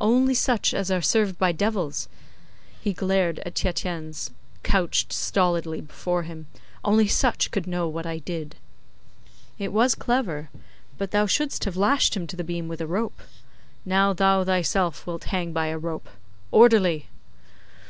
Only such as are served by devils,' he glared at Tietjens, couched stolidly before him, 'only such could know what I did.' 'It was clever. But thou shouldst have lashed him to the beam with a rope. Now, thou thyself wilt hang by a rope. Orderly!